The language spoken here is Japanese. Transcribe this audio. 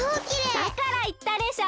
だからいったでしょ？